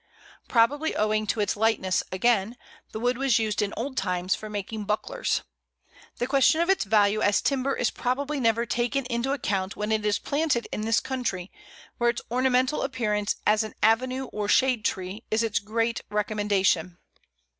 Probably owing to its lightness, again, the wood was used in old times for making bucklers. The question of its value as timber is probably never taken into account when it is planted in this country, where its ornamental appearance as an avenue or shade tree is its great recommendation.